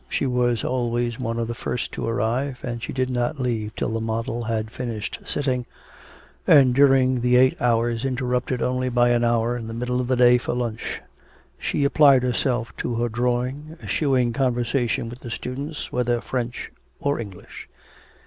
She was always one of the first to arrive, and she did not leave till the model had finished sitting, and during the eight hours, interrupted only by an hour in the middle of the day for lunch, she applied herself to her drawing, eschewing conversation with the students, whether French or English.